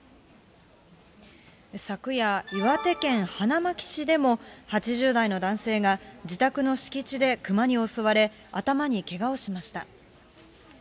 昨夜、岩手県花巻市でも、８０代の男性が自宅の敷地でクマに襲われ、頭にけがをしました。